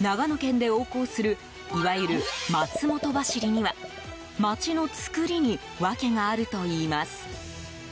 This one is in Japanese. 長野県で横行するいわゆる松本走りには街の造りに訳があるといいます。